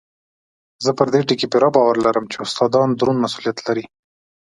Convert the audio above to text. زه پر دې ټکي پوره باور لرم چې استادان دروند مسؤلیت لري.